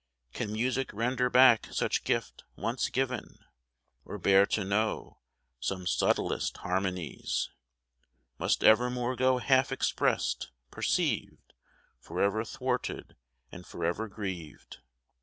Can music render back such gift once given ; Or bear to know some subtlest harmonies Must evermore go half expressed, perceived, Forever thwarted and forever grieved